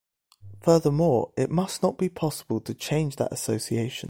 Furthermore, it must not be possible to change that association.